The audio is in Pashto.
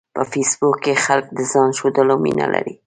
په فېسبوک کې خلک د ځان ښودلو مینه لري